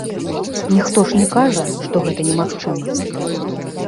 Ніхто ж не кажа, што гэта немагчыма.